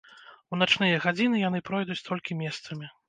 У начныя гадзіны яны пройдуць толькі месцамі.